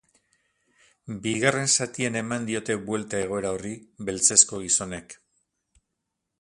Bigarren zatian eman diote buelta egoera horri beltzezko gizonek.